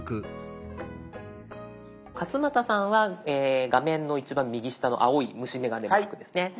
勝俣さんは画面の一番右下の青い虫眼鏡マークですね。